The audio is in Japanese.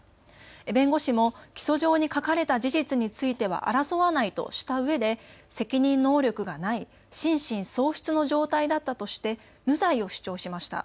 弁護士も起訴状に書かれた事実については争わないとしたうえで責任能力がない心神喪失の状態だったとして無罪を主張しました。